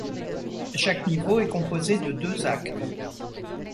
Chaque niveau est composé de deux actes.